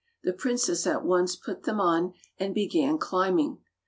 The princess at once put them on, and began climbing.